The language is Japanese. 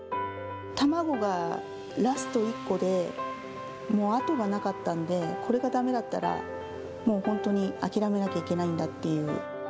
卵がラスト１個で、もう後がなかったんで、これがだめだったら、もう本当に諦めなきゃいけないんだっていう。